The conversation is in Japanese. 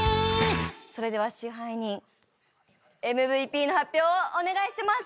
それでは支配人ＭＶＰの発表をお願いします。